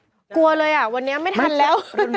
กลัวเลยอ่ะวันนี้ไม่ทันแล้ว